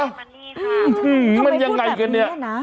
ทำไมพูดแบบนี้นะ